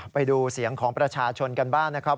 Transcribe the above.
ไปดูเสียงของประชาชนกันบ้างนะครับ